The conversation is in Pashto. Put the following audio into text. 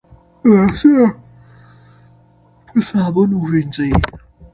لاسونه په صابون ووينځئ